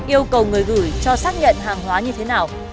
yêu cầu người gửi cho xác nhận hàng hóa như thế nào